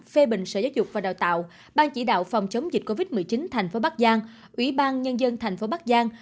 phê bình sở giáo dục và đào tạo ban chỉ đạo phòng chống dịch covid một mươi chín thành phố bắc giang ủy ban nhân dân thành phố bắc giang